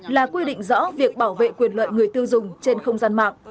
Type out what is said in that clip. là quy định rõ việc bảo vệ quyền lợi người tiêu dùng trên không gian mạng